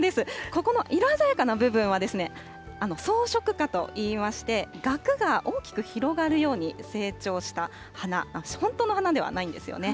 ここの色鮮やかな部分は、そうしょくかといいまして、がくが大きく広がるように成長した花、本当の花ではないんですよね。